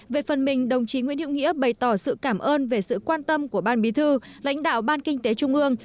về phần mình đồng chí nguyễn hiệu nghĩa bày tỏ sự cảm ơn về sự quan tâm của ban bí thư lãnh đạo ban kinh tế trung ương